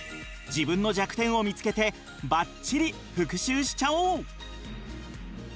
自分の弱点を見つけてばっちり復習しちゃおう！